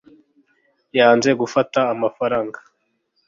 yanze gufata amafaranga